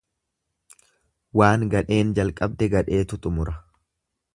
Waan gadheen jalqabde gadheetu xumura.